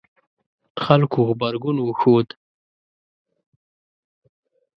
خلکو غبرګون وښود